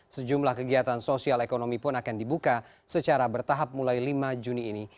sejumlah kegiatan sosial ekonomi pun akan dibuka secara bertahap mulai lima juni ini